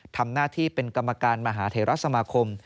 ทำหน้าที่เป็นกรรมการมหาเทราสมาคม